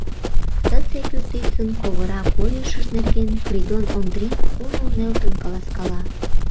Тысе пӱртӱсын ковыра койышыж нерген Придон Ондрин кумыл нӧлтын каласкала.